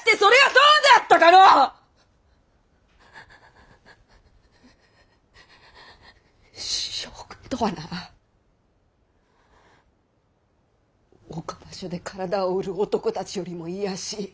将軍とはな岡場所で体を売る男たちよりも卑しい